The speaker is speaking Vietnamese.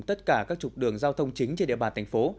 tất cả các trục đường giao thông chính trên địa bàn thành phố